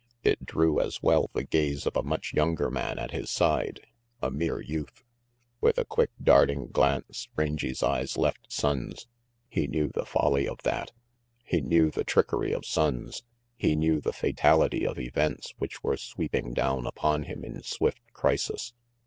It drew, as well, the gaze of a much younger man at his side, a mere youth. With a quick, darting glance, Rangy's eyes left Sonnes. He knew the folly of that. He knew the trickery of Sonnes. He knew the fatality of events which were sweeping down upon him in swift crisis.